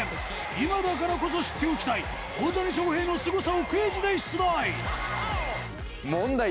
今だからこそ知っておきたい大谷翔平のすごさをクイズで出題